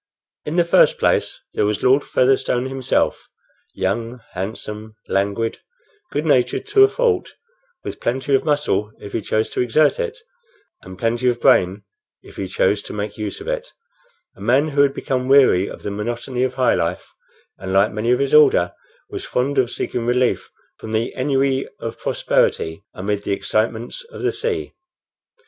In the first place, there was Lord Featherstone himself, young, handsome, languid, good natured to a fault, with plenty of muscle if he chose to exert it, and plenty of brain if he chose to make use of it a man who had become weary of the monotony of high life, and, like many of his order, was fond of seeking relief from the ennui of prosperity amid the excitements of the sea.